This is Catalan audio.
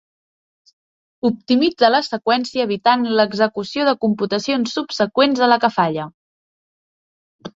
Optimitza la seqüència evitant l'execució de computacions subseqüents a la que falla.